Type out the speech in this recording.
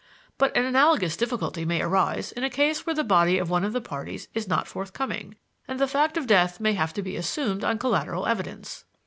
But an analogous difficulty may arise in a case where the body of one of the parties is not forthcoming, and the fact of death may have to be assumed on collateral evidence.